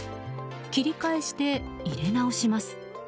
切り返して入れ直します。